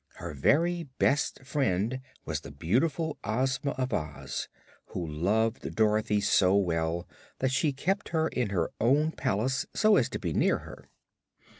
Her very best friend was the beautiful Ozma of Oz, who loved Dorothy so well that she kept her in her own palace, so as to be near her.